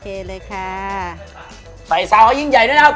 โอเคนะคะใส่ซาวงอ่ะยิ่งใหญ่ด้วยนะครับ